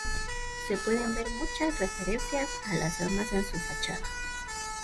Se pueden ver muchas referencias a las armas en su fachada.